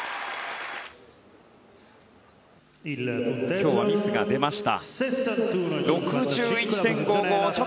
今日はミスが出ました。